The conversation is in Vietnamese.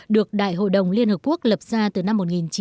được đại hội đồng liên hợp quốc lập ra từ năm một nghìn chín trăm sáu mươi sáu